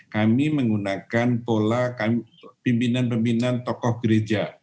kami menggunakan pola pimpinan pimpinan tokoh gereja